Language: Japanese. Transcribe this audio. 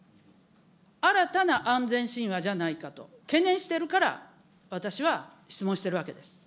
新たな安全神話じゃないかと懸念してるから、私は質問してるわけです。